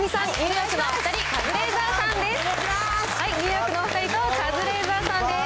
ニューヨークのお２人と、カズレーザーさんです。